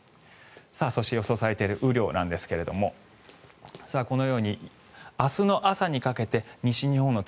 そして予想されている雨量なんですがこのように明日の朝にかけて西日本の